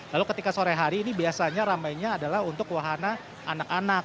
lalu ketika sore hari ini biasanya ramainya adalah untuk wahana anak anak